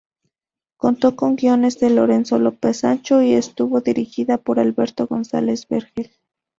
Contó con guiones de Lorenzo López Sancho y estuvo dirigida por Alberto González Vergel.